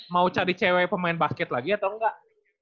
mau cari cewek pemain basket lagi atau enggak